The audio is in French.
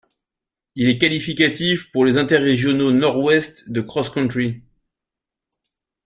Il est qualificatif pour les Interrégionaux Nord-Ouest de cross-country.